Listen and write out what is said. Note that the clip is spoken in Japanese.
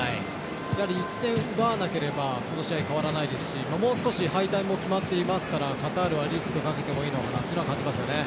やはり１点奪わなければこの試合、変わらないですし敗退も決まっていますからカタールはリスクをかけてもいいのかなというのを感じますよね。